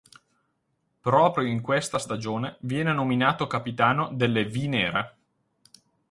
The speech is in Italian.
Proprio in questa stagione viene nominato capitano delle V Nere.